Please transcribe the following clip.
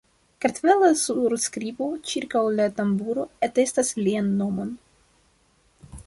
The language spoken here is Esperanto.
Kartvela surskribo ĉirkaŭ la tamburo atestas lian nomon.